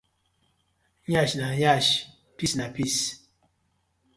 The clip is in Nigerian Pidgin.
Yansh na yansh piss na piss.